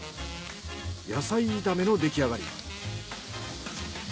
野菜炒めのできあがり。